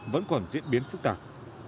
vẫn còn diễn biến phức tạp